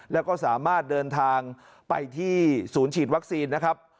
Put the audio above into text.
แล้วก็สามารถเดินทางไปที่ศูนย์ฉีดวัคซีนนะครับ